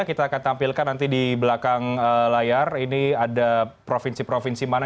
kita akan tampilkan nanti di belakang layar ini ada provinsi provinsi mana